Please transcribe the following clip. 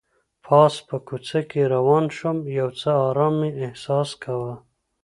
پاس په کوڅه کې روان شوم، یو څه ارام مې احساس کاوه.